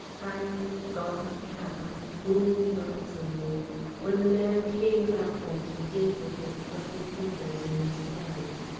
Tired, gaunt cattle mooing lonesomely, when the man came about them to dig with his bloody fingers in the sand.